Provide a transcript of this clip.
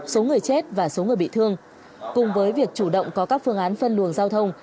số người chết và số người bị thương cùng với việc chủ động có các phương án phân luồng giao thông